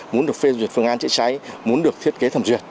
muốn được phê duyệt phương an cháy cháy muốn được thiết kế thẩm duyệt